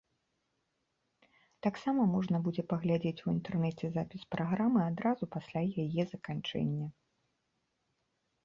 Таксама можна будзе паглядзець у інтэрнэце запіс праграмы адразу пасля яе заканчэння.